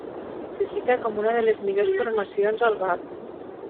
Se cita com una de les millors formacions al Bàltic.